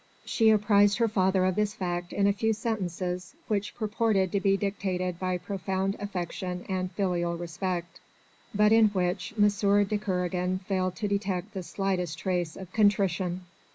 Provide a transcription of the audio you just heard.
She apprised her father of this fact in a few sentences which purported to be dictated by profound affection and filial respect, but in which M. de Kernogan failed to detect the slightest trace of contrition.